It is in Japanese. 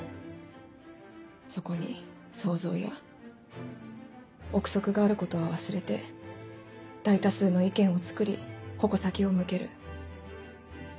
そこに想像や臆測があることは忘れて大多数の意見を作り矛先を向ける。